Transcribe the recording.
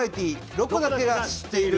「ロコだけが知っている」。